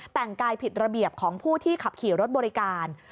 แต่งกายผิดระเบียบของผู้ที่ขับขี่รถบริการ